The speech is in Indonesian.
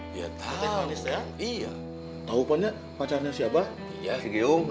belahan jiwa nasi abang